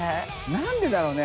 なんでだろうね？